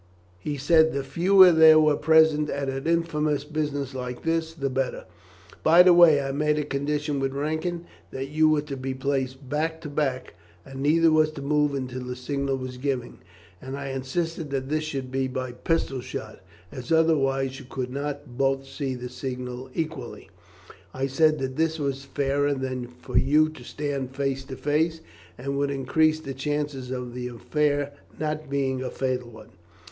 He said the fewer there were present at an infamous business like this the better. By the way, I made a condition with Rankin that you were to be placed back to back, and neither was to move until the signal was given; and I insisted that this should be by pistol shot, as otherwise you could not both see the signal equally well. I said that this was fairer than for you to stand face to face, and would increase the chances of the affair not being a fatal one."